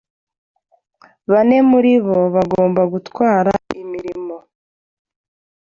Bane muri bo bagombaga gutwara imirimo